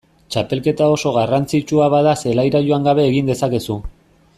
Txapelketa oso garrantzitsua bada zelaira joan gabe egin dezakezu.